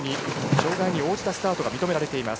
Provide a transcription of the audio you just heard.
障がいに応じたスタートが認められています。